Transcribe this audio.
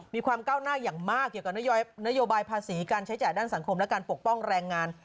มีความก้าวหน้าอย่างมากเกี่ยวกับนโยบายภาษีการใช้จ่ายด้านสังคมและการปกป้องแรงงาน